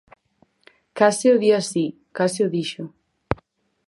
Case o di así, case o dixo.